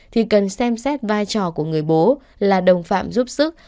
thì cần xem xét vai trò của người bố là đồng phạm giúp sức